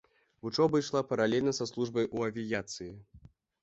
Вучоба ішла паралельна са службай у авіяцыі.